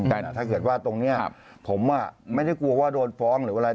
แต่ถ้าเคยว่าตรงเนี้ยผมอ่ะไม่ได้กลัวว่าโดนฟ้องหรือว่า